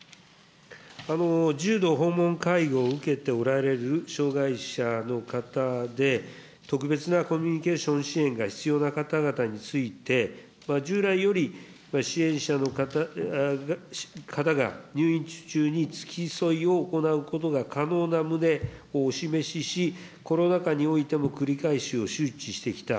重度の訪問介護を受けておられる障害者の方で、特別なコミュニケーション支援が必要な方々について、従来より支援者の方が入院中に付き添いを行うことが可能な旨をお示しし、コロナ禍においても繰り返し周知してきた、